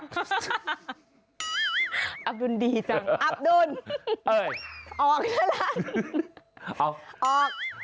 ออกอยากออกเหมือนกันเดี๋ยวทั้งนี้